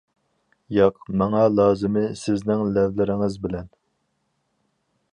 -ياق، ماڭا لازىمى سىزنىڭ لەۋلىرىڭىز بىلەن.